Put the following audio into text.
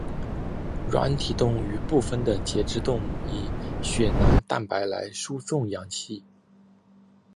软体动物与部分的节肢动物以血蓝蛋白来输送氧气。